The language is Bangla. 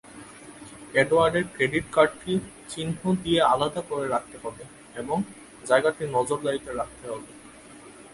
এডওয়ার্ডের ক্রেডিট কার্ডটি চিহ্ন দিয়ে আলাদা করে রাখতে হবে এবং জায়গাটি নজরদারিতে রাখতে হবে।